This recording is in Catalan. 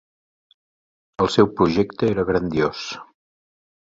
El seu projecte era grandiós.